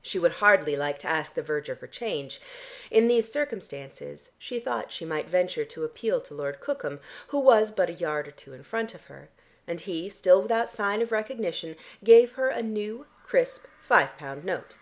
She would hardly like to ask the verger for change. In these circumstances she thought she might venture to appeal to Lord Cookham, who was but a yard or two in front of her, and he, still without sign of recognition gave her a new crisp five pound note.